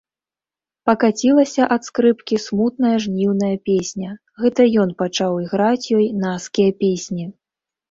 Пакацілася ад скрыпкі смутная жніўная песня, гэта ён пачаў іграць ёй наскія песні.